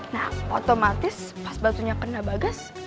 nah otomatis pas batunya kena bagas